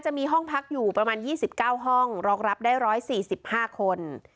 จะมีห้องพักอยู่ประมาณยี่สิบเก้าห้องรองรับได้ร้อยสี่สิบห้าคน